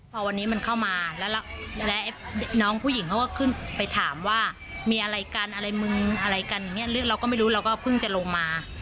พอวันนี้มันเข้ามาแล้วแล้วน้องผู้หญิงเขาก็ขึ้นไปถามว่ามีอะไรกันอะไรมึงอะไรกันอย่างนี้เรื่องเราก็ไม่รู้เราก็เพิ่งจะลงมา